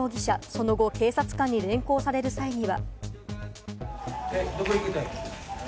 その後、警察官に連行される際には。